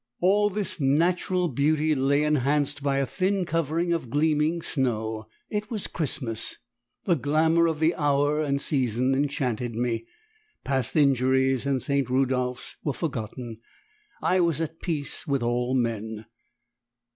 All this natural beauty lay enhanced by a thin covering of gleaming snow. It was Christmas! The glamour of the hour and season enchanted me; past injuries and St. Rudolphs were forgotten; I was at peace with all men.